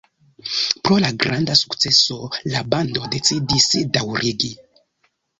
Pro la granda sukceso la bando decidis daŭrigi.